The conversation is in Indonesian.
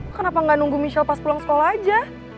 kenapa nggak nunggu michelle pas pulang sekolah aja